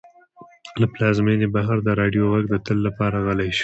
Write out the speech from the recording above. له پلازمېنې بهر د راډیو غږ د تل لپاره غلی شو.